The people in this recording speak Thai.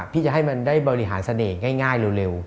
ที่จะให้มันได้บริหารเสน่ห์ง่ายเร็ว